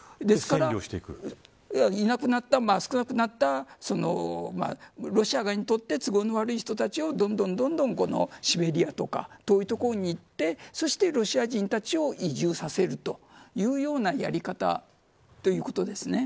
ですから、少なくなったロシア側にとって都合の悪い人たちをどんどんシベリアとか遠い所に送ってそして、ロシア人たちを移住させるというようなやり方ということです。